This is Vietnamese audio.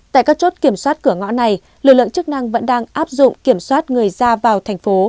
tại các chốt kiểm soát cửa ngõ này lực lượng chức năng vẫn đang áp dụng kiểm soát người ra vào thành phố